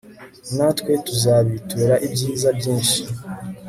natwe tuzabitura ibyiza byinshi